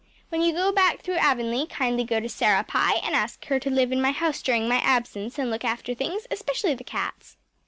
When you go back through Avonlea kindly go to Sarah Pye and ask her to live in my house during my absence and look after things, especially the cats.